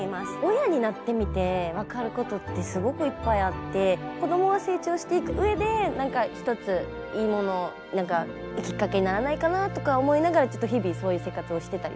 親になってみて分かることってすごくいっぱいあって子供が成長していく上で何か一ついいもの何かきっかけにならないかなとか思いながら日々そういう生活をしてたりも。